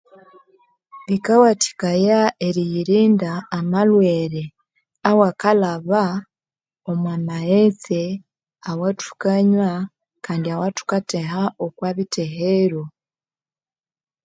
Kikawathikaya eriyirinda amalhwere awakalhaba omwa maghetse awathukanywa kandi awathukatheha okwa bittehero